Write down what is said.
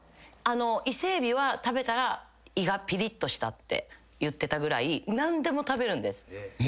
伊勢エビは食べたら胃がぴりっとしたって言ってたぐらい何でも食べるんです。